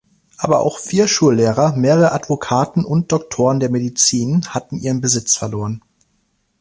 Aber auch vier Schullehrer, mehrere Advokaten und Doktoren der Medizin hatten ihren Besitz verloren.